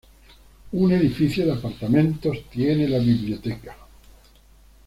Un edificio de apartamentos tiene la biblioteca.